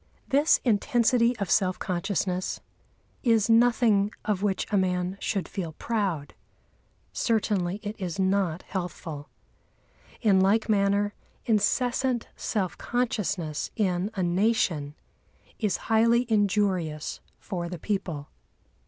This intensity of self consciousness is nothing of which a man should feel proud; certainly it is not healthful. In like manner, incessant self consciousness in a nation is highly injurious for the people.